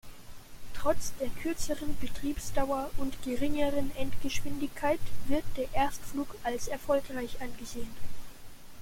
Trotz der kürzeren Betriebsdauer und geringeren Endgeschwindigkeit wird der Erstflug als erfolgreich angesehen.